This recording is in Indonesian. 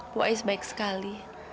bu ais baik sekali